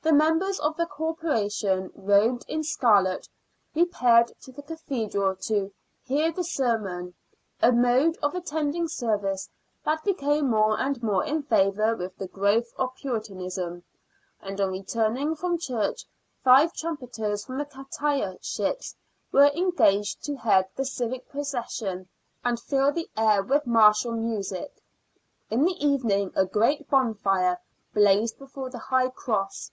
The members of the Corporation, robed in scarlet, repaired to the Cathedral to "hear the sermon" — a mode of attending service that became more and more in favour with the growth of Puritanism — and on returning from church five trum peters from the " Cataya " ships were engaged to head the 6 66 SIXTEENTH CENTURY BRISTOL. civic procession and fill the air with martial music. In the evening a great bonfire blazed before the High Cross.